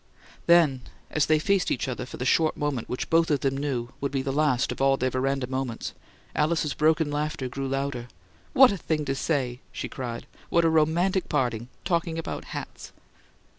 Then, as they faced each other for the short moment which both of them knew would be the last of all their veranda moments, Alice's broken laughter grew louder. "What a thing to say!" she cried. "What a romantic parting talking about HATS!"